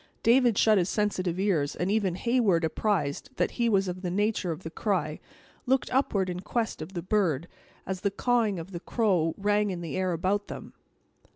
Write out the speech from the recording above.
David shut his sensitive ears, and even Heyward apprised as he was of the nature of the cry, looked upward in quest of the bird, as the cawing of a crow rang in the air about them.